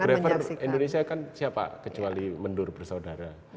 karena photographer indonesia kan siapa kecuali mendur bersaudara